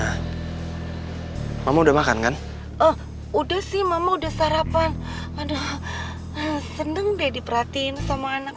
hai mama udah makan kan udah sih mama udah sarapan aduh seneng deh diperhatiin sama anak